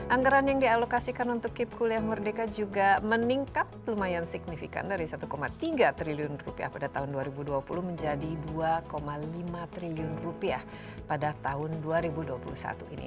anggaran yang dialokasikan untuk kip kuliah merdeka juga meningkat lumayan signifikan dari satu tiga triliun rupiah pada tahun dua ribu dua puluh menjadi rp dua lima triliun rupiah pada tahun dua ribu dua puluh satu ini